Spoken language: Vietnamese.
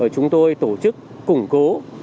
chúng tôi tổ chức củng cố